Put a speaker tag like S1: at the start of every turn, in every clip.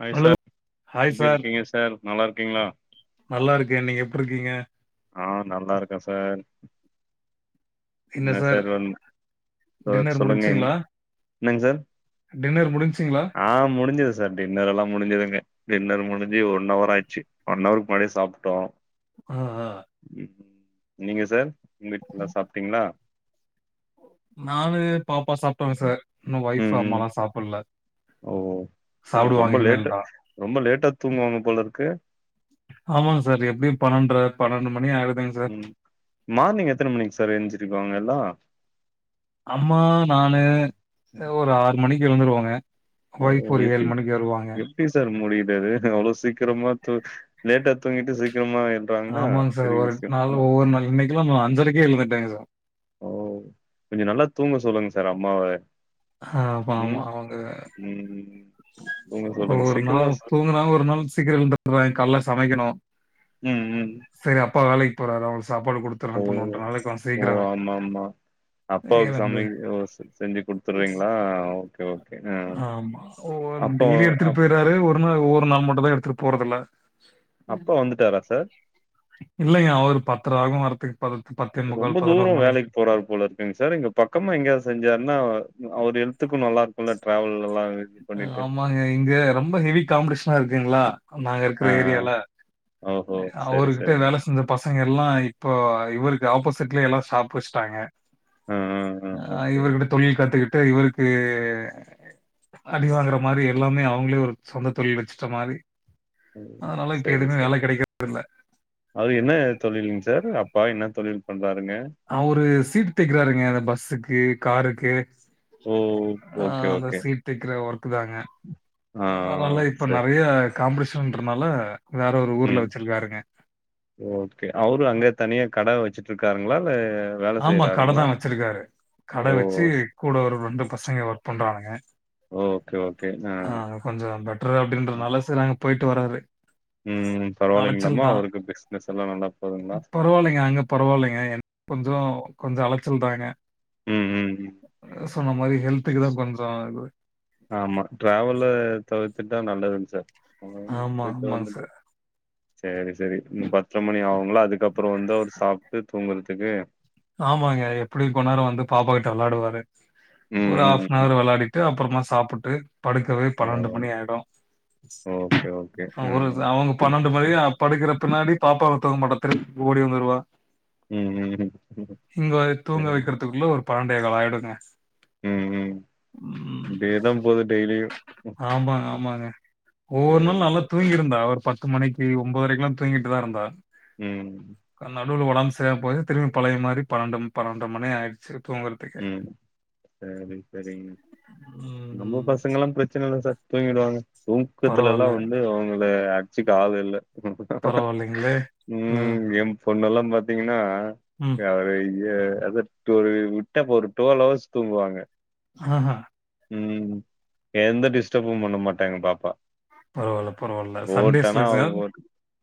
S1: Hi
S2: hello
S1: sir
S2: hi
S1: எப்டி
S2: sir
S1: இருக்கீங்க sir நல்லா இருக்கீங்ளா
S2: நல்லா இருக்கேன் நீங்க எப்டி இருக்கீங்க
S1: ஆ நல்லா இருக்கேன் சார் என்ன சார் வந்து தோட்
S2: டின்னர்
S1: சொல்லுங்க என்
S2: முடிஞ்சுங்களா
S1: என்னங் சார்
S2: டின்னர் முடிஞ்சுங்களா
S1: ஆ முடிஞ்சுது சார் டின்னர் எல்லா முடிஞ்சுதுங்க டின்னர் முடிஞ்சு ஒன் அவர் ஆயிடுச்சு ஒன் ஹவருக்கு முன்னாடியே சாப்ட்டோ
S2: ஆ ஆ
S1: ம் நீங்க சார் உங்கிட் நல்லா சாப்ட்டீங்ளா
S2: நானு பாப்பா சாப்ட்டோங்க சார் இன்னு ஒய்ஃப்
S1: ம், ம்.
S2: அம்மாலா சாப்புல
S1: ஓ! ஓ! ரொம்ப
S2: சாப்டுவாங்க
S1: லேட்டா
S2: இனிமேல்தா
S1: ரொம்ப லேட்டா தூங்குவாங்க போலருக்கு
S2: ஆமாங் சார் எப்டியு பன்னெண்ற பன்னெண்டு மணி ஆய்டுதுங்க சா
S1: ம் மார்னிங் எத்தன மணிக்கு சார் எஞ்சிருக்குவாங்க எல்லா
S2: அம்மா நானு அ ஒரு ஆறு மணிக்கு எழுந்துருவோங்க ஒய்ஃப் ஒரு ஏழு மணிக்கு வருவாங்க
S1: ப்டி சார் முடியுது அது அவ்ளோ சீக்கிரமா தூ லேட்டா தூங்கிட்டு சீக்கரமா
S2: ஆமாங் சார் ஒரு நாள் ஒவ்வொரு நாள் இன்னைக்குல்லா நா அஞ்சரைக்கே எழுந்துட்டேங்க சார்
S1: ஓ கொஞ்சொ நல்லா தூங்க சொல்லுங்க சார் அம்மாவ
S2: ஆமாமா
S1: ம்
S2: அவங்க
S1: ம் தூங்க சொல்லுங்க
S2: ஒரு
S1: சீக்கிரமா
S2: நாள்
S1: சார்.
S2: தூங்குறாங்க ஒரு நாள் சீக்கிரோ எழுந்தர்ராங்க கால்ல சமைக்கணு
S1: ம் ம்
S2: செரி அப்பா வேலைக்கு போறாரு அவருக் சாப்பாடு குடுத்
S1: ஓஹோ ஓ ஆமா ஆமா அப்பாவுக்கு
S2: எழுந்து
S1: சமைக ஓ செ செஞ்சு குடுத் துடுறீங்களா ஓகே ஓகே அ அப்போ அப்
S2: தாரு ஒரு நாள் ஒவ்வொரு நாள் மட்டுந்தா எடுத்துட்டு போறதில்ல
S1: அப்பா வந்துட்டாரா சார்
S2: இல்லைங்க அவரு பத்தர ஆகு வரத்துக்கு பதத் பத்தே முக்கால் பதினோரு மணி
S1: போறார் போல இருக்குங்க சார் இங்க பக்கமா எங்கயாவ்து செஞ்சாருன்னா அவர் ஹெல்த்துக்கு நல்லா இருக்குல்ல ட்ராவல் எல்லா வே
S2: ஆமாங்க இங்க ரொம்ப ஹெவி காம்படிஷனா இருக்குங்களா நாங்க
S1: ஆ
S2: இருக்குற ஏரியால
S1: ஆ ஓஹோ சரி
S2: அவருகிட்ட
S1: சரிங்க
S2: வேல செஞ்ச பசங்க எல்லா இப்போ இவருக்கு ஆப்போசிட்லே எல்லா சாப் வச்ட்டாங்க
S1: ஆ ஆ ஆ
S2: அ
S1: ஓகேங்க
S2: இவர்கிட்ட தொழில் கத்துக்கிட்டு இவருக்கு அடிவாங்குற மாரி எல்லாமே அவங்களே ஒரு சொந்த தொழில் வச்சுட்ட மாரி
S1: ம்
S2: அதனால இப்ப
S1: சரி
S2: எதுக்குமே
S1: சரி
S2: வேல கெடைக்கற்து இல்ல
S1: அது என்ன தொழிலுங் சார் அப்பா என்ன தொழில் பண்றாருங்க
S2: அவரு சீட் தைக்கிறாருங்க இந்த பஸ்ஸுக்கு காருக்கு
S1: ஓ
S2: ஆ
S1: ஓகே
S2: அந்த
S1: ஓகே
S2: சீட் தைக்கிற ஒர்க்குதாங்க
S1: ஆ ஆ
S2: அதனால இப்ப
S1: சரி
S2: நெறைய காம்படிஷன்ன்றனால வேற ஒரு ஊர்ல
S1: ம்
S2: வெச்சிருக்காருங்க
S1: ஓகே அவரும் அங்க தனியா கட வச்சிட்டு இருக்காருங்களா இல்ல வேல
S2: ஆமா கடதா
S1: செய்றாருங்களா?
S2: வச்சிருக்காரு கட
S1: ஓ
S2: வச்சு
S1: ஸ்
S2: கூட ஒரு ரெண்டு பசங்க ஒர்க் பண்றானுங்க
S1: ஓகே ஓகே நா
S2: ஆ அங்க கொஞ்சொ பெட்டரு அப்டின்றனால சர் அங்க போயிட்டு வராரு
S1: ம்
S2: அலைச்சல்
S1: பரவால்லைங்களாமா அவருக்கு பிசினஸ் எல்லா நல்லா போதுங்களா
S2: பரவால்லைங்க அங்க பரவால்லைங்க என கொஞ்சொ கொஞ்சொ அலச்சல் தாங்க
S1: ம் ம் ம்
S2: சொன்ன மாரி ஹெல்த்துக்குதா கொஞ்சொ இது
S1: ஆமா டிரவல்ல தவிர்த்துட்டா நல்லதுங் சார் அங்கங்க
S2: ஆமா,
S1: போய்ட்டு
S2: ஆமாங்க
S1: வந்துட்டு
S2: சார்.
S1: சேரி செரி இன்னு பத்தர மணி ஆகுங்களா அதுக்கப்புறோ வந்து அவரு சாப்ட்டு தூங்குறதுக்கு
S2: ஆமாங்க எப்டி கொ நேர வந்து பாப்பா கிட்ட வெளாடுவாரு
S1: ம்,
S2: ஒரு ஹப்
S1: ம், ம்.
S2: அன்வர் வெளாடிட்டு அப்புறமா சாப்புட்டு படுக்கவே
S1: ஓ!
S2: பன்னெண்டு மணி ஆயிடு
S1: ஓகே, ஓகே.
S2: ஒரு
S1: ம்.
S2: அவங்க பன்னெண்டு மணி படிக்கிற பின்னாடி பாப்பாவ ஒரு தூங்க மாட்டா திரும் ஓடி வந்துருவா
S1: ம் ம் ம்
S2: இங்க தூங்க
S1: சரி.
S2: வைக்கிறதுக்குள்ள ஒரு பணடே கால் ஆயிடுங்க
S1: ம் ம் இதேதா போது டெய்லியு
S2: ஆமா ஆமாங்க ஒவ்வொரு நாள்
S1: சரி,
S2: நல்லா
S1: சரி.
S2: தூங்கிருந்தா அவர் ப பத்து மணிக்கு ஒம்போதரைக்குலா தூங்கிட்டுதா இருந்தா
S1: ம்,
S2: நடுல உடம் செரி போய் திரும் பழைய மாரி பன்னெண்டு பன்னெண்டு மணி ஆயிடுச்சு தூங்க
S1: ம் சரி சரிங்க நம்மோ
S2: ம்
S1: பசங்கல்லா பெரச்சன இல்ல சார் தூங்கிடுவாங்க தூக்கத்துல எல்லா
S2: பரவால்ல
S1: வந்து அவங்கள அட்சிக்க ஆள் இல்ல
S2: பரவாயில்லைங்களே ம்
S1: பொண்ணு எல்லா பாத்தீங்கனா
S2: ம்
S1: அறைய ஒரு விட்ட இப்போ ஒரு டூவல் ஹவர்ஸ் தூங்குவாங்க
S2: ஆஹ
S1: ம் எந்த டிஸ்டர்பும் பண்ண மாட்டா எங்க பாப்பா
S2: பரவாயில்ல பரவாயில்ல சண்டேஸ்ல சார்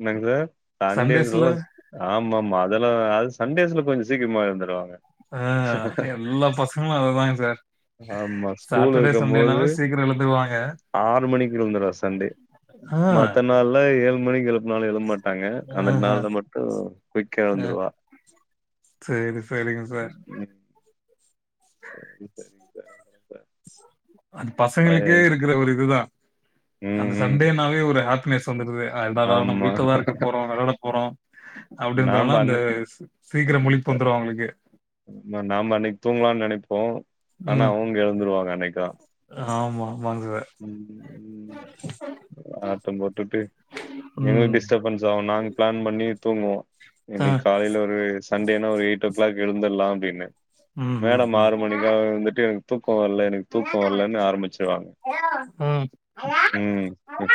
S1: என்னங் சார்
S2: சண்டேஸ்ல
S1: சண்டேஸ்லா ஆமா ஆமா அதெல்லா அது சண்டேஸ்ல கொஞ்சோ சீக்கிரமா எழுந்துடுவாங்க
S2: ஆ எல்லா பசங்களு அததாங் சார் ச
S1: வீட்ல இருக்கும்போது ஆறு மணிக்கு எழுந்தரா சண்டே
S2: ஆ,
S1: மத்த நாள்ள ஏழ் மணிக் எழு ப்னாலு எழ மாட்டாங்க அந்த
S2: ஆஹா,
S1: நாள்ள மட்டு குயிக்கா எழுந்துருவா
S2: செரி செரிங்க சார்
S1: ம் சரி சரி
S2: அது
S1: பைய
S2: பசங்களுக்கே இருக்கிற ஒரு இதுதா
S1: ம்
S2: அந்த
S1: ம்
S2: சண்டேனாலே ஒரு ஹாப்பினஸ் வந்துடுது அ நம்ம
S1: ஆமா
S2: வீட்லதா இருக்க போறோ விளாட போறோ அப்டிந்தனா
S1: நாம
S2: அந்த
S1: அன்னை
S2: சீக்கிரோ முழிப்பு வந்துரு அவுங்ளுக்கு
S1: நாம அன்னைக்கு தூங்கலான் நெனைப்போ ஆனா
S2: ம்.
S1: அவுங்க எழுந்துருவாங்க அன்னைக்குதா
S2: ஆமா ஆமாங்க
S1: ம் ம் ம் ஆட்டம் போட்டுட்டு
S2: ம்.
S1: எங்களுக்கு டிஸ்டர்பன்ஸ் ஆகு நாங்க பிளான் பண்ணி தூங்குவோ
S2: ஆ.
S1: இன்னைக்கு காலைல ஒரு சண்டேனா ஒரு எயிட் ஓ கிளாக் எழுந்தர்லா அப்டின்னு
S2: ம்ஹ்ஹ்ம்.
S1: மேடம்
S2: ம்.
S1: ஆறு மணிக்கா வந்துட்டு என் தூக்கோ வர்ல எனக்கு தூக்கோ வர்லன்னு ஆரம்பிச்சிருவாங்க
S2: ம்
S1: ம் ம்,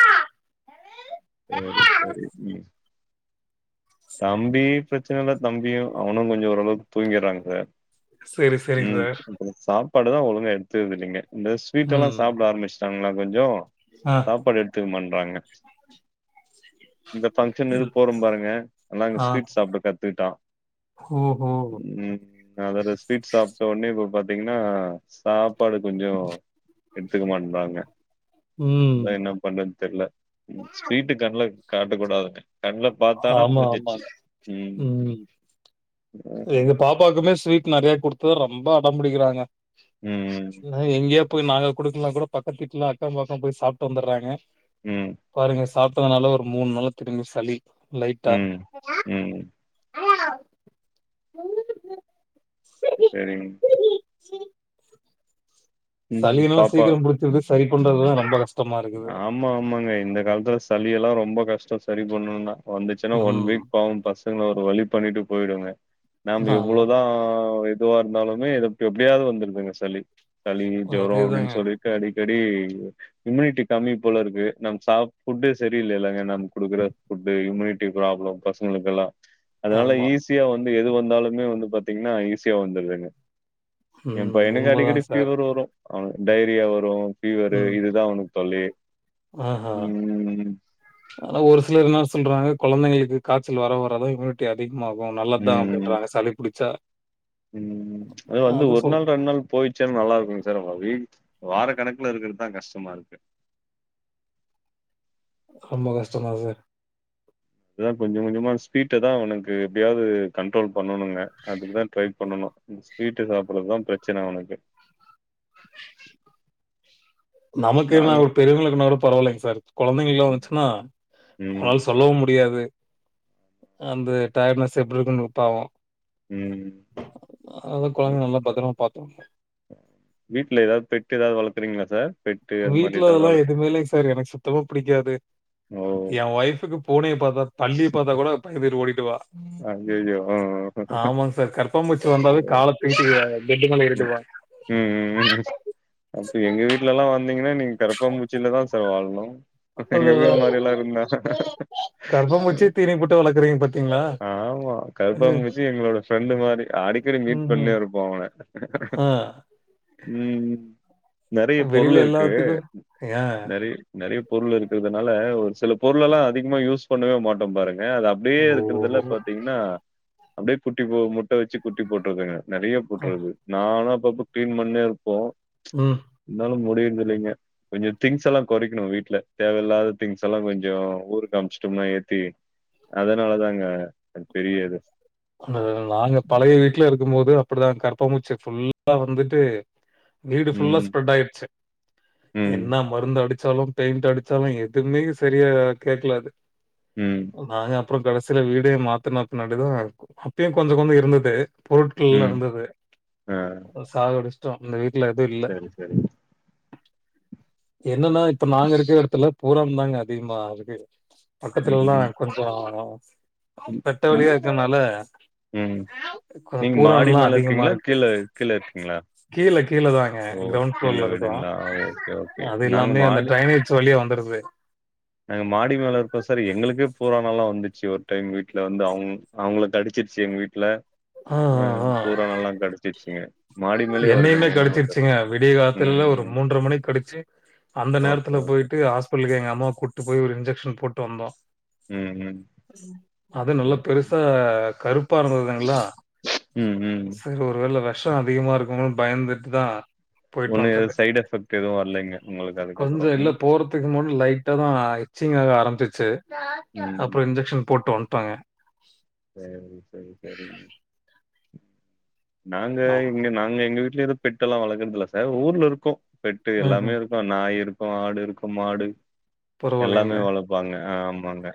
S1: சரி சரி ம் தம்பி பிரச்சன இல்ல தம்பியு அவனு கொஞ்சோ ஓரளவுக்கு தூங்கிறாங்க சார்
S2: சரி, சரிங்க
S1: ம்
S2: சார்.
S1: சாப்பாடு தா ஒழுங்க எடுத்தது இல்லைங்க இந்த ஸ்வீட் எல்லா
S2: ம்.
S1: சாப்ட ஆரம்பிச்சுட்டாங்களா கொஞ்சோ
S2: ஆ.
S1: சாப்பாடு எடுத்துக்க மாட்றாங்க இந்த பங்க்ஷன் எது
S2: இல்
S1: போறம் பாருங்க நல்லா அங்க
S2: ஆ.
S1: ஸ்வீட் சாப்ட கத்துக்கிட்டா
S2: ஓஹோ!
S1: ம் அது அது ஸ்வீட் சாப்ட்ட ஒன்னே இப்ப பாத்தீங்கன்னா சாப்பாடு கொஞ்சோ எடுத்துக்க மாட்றாங்க
S2: ம்.
S1: அதா என்ன பண்றதுன்னு தெரில ஸ்வீட்டு கண்ல காட்டக்கூடாதுங்க கண்ல பாத்தான்னா
S2: ஆமா,
S1: முடிஞ்சிச்சு
S2: ஆமாங்க.
S1: ம்
S2: எங்க பாப்பாக்குமே ஸ்வீட் நெறயா குடுத்து தா ரொம்ப அடோ பிடிக்கிறாங்க
S1: ம்.
S2: நா எங்கயா போய் நாங்க குடுக்கலான்னா கூட பக்கத்து வீட்ல அக்கம் பக்கம் போய் சாப்ட்டு வந்துர்றாங்க
S1: ம்
S2: பாருங்க சாப்டதுனால ஒரு மூணு நாள திரும்பி சளி லைட்டா
S1: ம். ம்.
S2: உங்ககிட்ட தா
S1: செரிங்க
S2: சேரி
S1: ம்.
S2: சளி என்னன்னா
S1: பாப்பா
S2: சீக்கிரோ பிடிச்சிருது சரி பண்றதுதா ரொம்ப கஷ்
S1: ஆமா ஆமாங்க இந்த காலத்துல சளி எல்லா ரொம்ப கஷ்டோ சரி பண்ணணுன்னா வந்துச்சுன்னா ஒன்
S2: ம்
S1: வீக் பாவோ பசங்கள ஒரு வழி பண்ணிட்டு போயிடுங்க நாம
S2: ஆமா
S1: எவ்வளோதா இதுவா இருந்தாலுமே இது எப் எப்டியாது வந்துருதுங்க சளி சளி ஜூரோ
S2: அதேதாங்க
S1: அப்டின்னு சொல்லிட்டு அடிக்கடி இம்முனிட்டி கம்மி போல இருக்கு நம் சாப் ஃபுட்டே சரியில்லேலங்க நம்ம குடுக்குற ஃபுட்டு இம்முனிட்டி ப்ராப்ளம் பிளஸ் உங்களுக்கெல்லா அதனால
S2: ஆமா
S1: ஈஸியா வந்து எது வந்தாலுமே வந்து பாத்தீங்கன்னா ஈஸியா வந்துருதுங்க ஏ
S2: ம்
S1: பையனுக்கு
S2: உண்மதா
S1: அடிக்கடி
S2: சார்
S1: ஃபீவர் வரு அவனுக்கு டயேரியா வரு ஃபீவரு இதுதா அவனுக்கு தொல்லயே
S2: ஆஹ ஆனா ஒரு சிலர் என்ன சொல்றாங்க கொழந்தைங்களுக்கு காய்ச்சல் வர வரதா இம்முனிட் டி அதிகமாகு நல்லது தா
S1: ம்
S2: அப்டின்றாங்க சளிபிடிச்சா
S1: ம் அது வந்து ஒரு நாள் ரெண்டு நாள் போயி சின்னா நல்லா இருக்குங்க சார் ஆனா வீக் வாரக்கணக்குல இருக்குறதுதா கஷ்டமா இருக்கு
S2: ரொம்ப கஷ்டந்தா சார்
S1: அதா கொஞ்சோ கொஞ்சமா ஸ்வீட்ட தா அவனுக்கு எப்டியாவது கண்ட்ரோல் பண்ணணுங்க அதுக்குதா ட்ரை பண்ணனு ஸ்வீட்டு சாப்டுறதுதா பிரச்சன அவனுக்கு
S2: நமக்கு என்ன
S1: நாங்க
S2: ஒரு பெரியவங்களுக்குனா கூட பரவாயில்லைங்க சார் கொழந்தைங்களுக்குல்லா வந்துச்சுன்னா
S1: ம்
S2: அவங்களால சொல்லவு முடியாது அந்த டயர்ட்னஸ் எப்டி இருக்குன்னு பாவோ
S1: ம்
S2: அதா கொழந்தைய நல்லா பத்தரமா பாத்துக்கணு
S1: வீட்ல ஏதாது பெட் ஏதாது வளக்குறீங்களா சார் பெட்டு அது மாரி
S2: வீட்ல
S1: ஏதாவது
S2: அதெல்லா
S1: வளக்
S2: எதுவுமே இல்லங்க சார் எனக்கு சுத்தமா பிடிக்காது
S1: ஓ
S2: ஏ ஒய்ஃப்க்கு பூனைய பாத்தா பல்லிய பாத்தா கூட பயந்துட்டு ஓடிடுவா
S1: அய்யய்யோ ஆ
S2: ஆமாங்க சார் கரப்பா பூச்சி வந்தாவே கால தூக்கிட்டு பெட் மேல
S1: ம்
S2: ஏறிடுவா
S1: ம் ம் அப்ப எங்க வீட்லல்லா வந்தீங்கன்னா நீங்க கரப்பாபூச்சில தா சார் வாழணு எங்க வீடு
S2: அதுதா.
S1: மாரி எல்லா இருந்தா
S2: கரப்பான்பூச்சி தீனி போட்டு வளர்க்குறீங்க பார்த்தீங்களா?
S1: ஆமா கரப்பாபூச்சி எங்களோட ஃப்ரெண்டு மாரி அடிக்கடி மீட்
S2: ம்ஹ்ம்.
S1: பண்ணிணே இருப்போ அவன
S2: ஆ
S1: ம் ம் நறைய
S2: வெளியில
S1: பொருள் இருக்கு
S2: எல்லாத்துக்கும் ஏன்?
S1: நறை நறைய பொருள் இருக்கறதுனால ஒரு சில பொருளெல்லா அதிகமா யூஸ் பண்ணவே மாட்டோ பாருங்க அத அப்டியே
S2: ஓ!
S1: இருக்கறதுல பாத்தீங்கன்னா அப்டியே குட்டி போ முட்ட வச்சு குட்டி போட்ருதுங்க நறைய
S2: ஆ.
S1: போட்ருக்கு நாலா அப்பப்ப கிளீன் பண்ணேருப்போ
S2: ம்
S1: இருந்தாலு முடியர்தில்லைங்க கொஞ்சோ திங்ஸ் எல்லா கொறைக்கணு வீட்ல தேவையில்லாத திங்ஸ் எல்லா கொஞ்சோ ஊருக்கு அம்ச்சுட்டோம்னா ஏத்தி அதனால தாங்க பெரிய இது
S2: நாங்க பழைய வீட்ல இருக்கு போது அப்டிதா கரப்பா பூச்சி ஃபுல்லா வந்துட்டு வீடு ஃபுல்லா
S1: ம்.
S2: ஸ்ப்ரெட்டாயிச்சு
S1: ம்
S2: என்ன மருந்து அடிச்சாலு பெயிண்ட் அடிச்சாலு எதுமே சரியா கேக்கல அது
S1: ம்
S2: நாங்கப்றோ கடைசில வீடே மாத்தன பின்னாடிதா அப்பயு கொஞ்ச கொஞ்சொ இருந்தது பொருட்கள்ல
S1: ம்.
S2: இருந்தது
S1: ஆ
S2: அப்போ சாகடிச் ட்டோ இந்த வீட்ல எது இல்ல
S1: சரி, சரி.
S2: என்னன்னா இப்ப நாங்க இருக்கற எடத்துல பூரான் தாங்க அதிகமாருக்கு
S1: ம்.
S2: பக்கத்துலலா
S1: ம்.
S2: கொஞ்சோ
S1: இல்-
S2: வெட்ட வெளியா
S1: இல்-
S2: இருக்கனால
S1: ம்
S2: கொஞ்சம்
S1: நீங்க மாடி
S2: பூரான்லாம்
S1: மேல
S2: அதிகமா
S1: இருக்கீங்களா
S2: இருக்கு.
S1: கீழ கீழ இருக்கீங்களா
S2: கீழ கீழ தாங்க
S1: ஓ!
S2: கிரௌண்ட்
S1: கீழ
S2: ஃப்ளோர்ல இருக்கோ
S1: வீடுங்களா? Okay, okay.
S2: அது
S1: நாங்க
S2: இல்லாமே அந்த
S1: மாடி
S2: ட்ரைனேஜ் வழியா வந்துருது
S1: நாங்க மாடி மேல இருப்போ சார் எங்களுக்கே பூரானெல்லா வந்துச்சு ஒரு டைம் வீட்ல வந்து அவுங் அவுங்கள கடிச்சிருச்சு எங்க வீட்ல
S2: ஆ
S1: ஆ பூரானெல்லா கடிச்சிருச்சுங்க மாடி மேலயே
S2: என்னயுமே
S1: வருதுங்க என்ன பண்றது?
S2: கடிச்சிருச்சுங்க விடிய காத்தால்ல
S1: ம்,
S2: ஒரு
S1: ம்.
S2: மூன்ற மணிக் கடிச்சு அந்த
S1: ஓகே,
S2: நேரத்துல
S1: ஓகே.
S2: போய்ட்டு ஆஸ்பிட்டலுக்கு எங்கம்மா கூப்ட்டு போய் ஒரு இன்ஜெக்ஷன் போட்டு வந்தோ
S1: ம் ம்
S2: அது நல்லா
S1: சரி.
S2: பெருசா கருப்பா இருந்ததுங்களா
S1: ம், ம்.
S2: சரி ஒரு வேல வெஷோ அதிகமாருக்குமோன் பயந்துட் ‌தா போய்ட்டு
S1: ஒண்ணும்
S2: வந்தது
S1: எதுவும் சைட் எஃபெக்ட் எதுவும் வரலைங்க உங்களுக்கு
S2: கொஞ்சோ
S1: அதுக்கப்புறம்.
S2: இல்ல
S1: ம்,
S2: போற த்துக்கு முன் லைட்டா தா இச்சிங்க் ஆக ஆரம்பிச்சிச்சு
S1: ம்.
S2: அப்றோ இன்ஜெக்ஷன் போட்டு வன்ட்டோங்க
S1: சேரி சேரி செரிங்க நாங்க
S2: ஆ
S1: எங்க நாங்க எங்க வீட்லரு பெட்டெல்லா வளக்கறதுல இல்ல சார் ஊர்லருக்கு பெட்டு
S2: ம் ம்
S1: எல்லாமேரு நாய் இருக்கு ஆடு இருக்கு மாடு எல்லாமே
S2: பரவாயில்லைங்களே
S1: வளப்பாங்க ஆமாங்க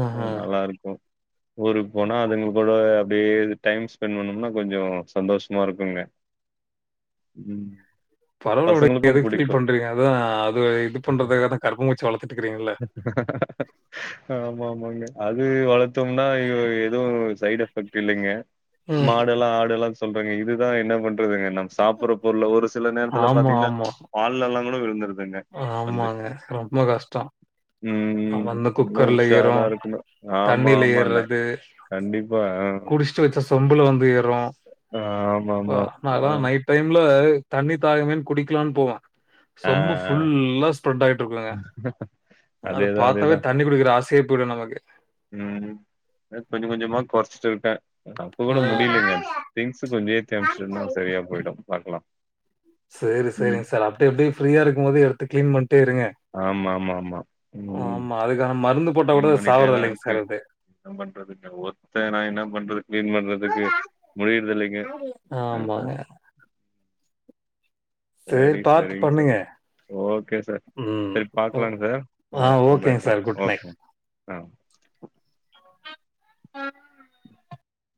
S2: ஆ ஆ
S1: நல்லாருக்கு ஊருக்கு போனா அதுங்க கூட அப்டியே டைம் ஸ்பெண்ட் பண்ணம்னா கொஞ்சோ சந்தோஷமா இருக்குங்க
S2: பரவால்ல விடுங்க
S1: பசங்களுக்கும்
S2: எதுக்கு ஃபீல்
S1: புடிக்கும்.
S2: பண்றீங்க அதா அது இது பண்றதுக்காக தா கரப்பாம் பூச்சி வளத்துட்ருக்கீங்கல்ல
S1: ஆமாமாங்க அது வளத்தோம்னா அய்யோ எது சைடே எஃபெக்ட் இல்லங்க
S2: ம்.
S1: மாடேல்லா ஆடெல்லா சொல்றேங்க இதுதா என்ன பண்றதுங்க ந சாப்புற பொருள்ல ஒரு சில நேரத்துல
S2: ஆமா,
S1: பாத்தீங்கன்னா
S2: ஆமா.
S1: பால்லெல்லா கூட விழுந்துருதுங்க வந்து.
S2: ஆமாங்க ரொம்ப கஷ்டோ
S1: ம் ம் இன்னு
S2: ஏறும்,
S1: உஷாராருக்கணு ஆமா
S2: தண்ணீல
S1: ஆமாணே கண்டிப்பா அ
S2: ச்ச வச்ச சொம்புல வந்து ஏறு ப்பா
S1: ஆமாமா.
S2: நா தா
S1: அ.
S2: நைட் டைம்ல தண்ணி தாகமேன் குடிக்கலான் போவா
S1: ஆ,
S2: சொம்பு ஃபு
S1: ஆ.
S2: ஃபுல்லா ஸ்ப்ரெட் ஆகிட்டுருக்குங்க அத
S1: அதேதான், அதேதான்.
S2: பாத்தாவே தண்ணி குடிக்கிற ஆசையே போய்டு நமக்கு
S1: ம் அத கொஞ்ச கொஞ்சமா கொறச்சிட்டு இருக்கே அப்ப
S2: ஆ.
S1: கூட முடியலைங்க திங்ஸு கொஞ்ச ஏத்தி அனும்ச்ட்டன்னா சரியா போயிடு பாக்கலா
S2: சேரி
S1: ம்
S2: சேரிங்க சார் அப்டி அப்டியே ஃப்ரீயா இருக்கும்போது எடுத்து க்ளீன் பண்ட்டே இருங்க
S1: ஆமாம்மாம்மா
S2: ஆமா அதுக்கான மருந்து போட்டா கூட
S1: பண்ணிட்டே
S2: சாவறதா
S1: தா
S2: இல்லைங்க
S1: இருக்கு
S2: சார் இது
S1: என்ன பண்றதுங்க ஒர்த்த நா என்ன பண்றது க்ளீன் பண்றதுக்கு முடியுறது இல்லைங்க
S2: ஆமாங்க சேரி
S1: சரி
S2: பாத்து
S1: சரிங்க சார்
S2: பண்ணுங்க
S1: ஓகே சார்
S2: ம்.
S1: சேரி
S2: ஓ
S1: பாக்கலாங்க சார் ஆ அப்ற
S2: ஓகேங்க
S1: பாக்லா
S2: சார். Good night.
S1: ஓகே ஆ